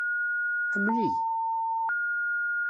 Ḥemmel-iyi!